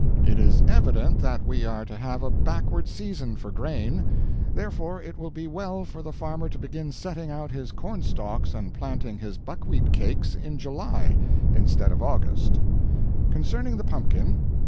It is evident that we are to have a backward season for grain. Therefore it will be well for the farmer to begin setting out his corn stalks and planting his buckwheat cakes in July instead of August. Concerning the pumpkin.